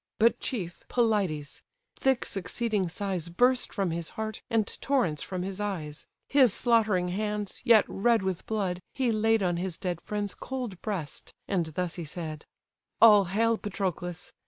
But chief, Pelides: thick succeeding sighs Burst from his heart, and torrents from his eyes: His slaughtering hands, yet red with blood, he laid On his dead friend's cold breast, and thus he said: "All hail, Patroclus!